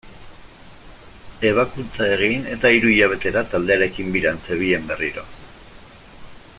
Ebakuntza egin eta hiru hilabetera taldearekin biran zebilen berriro.